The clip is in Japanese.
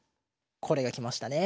これがきましたね。